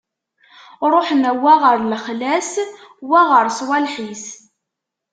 Ṛuḥen, wa ɣer lexla-s, wa ɣer swaleḥ-is.